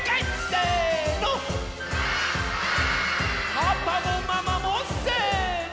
パパもママも！せの！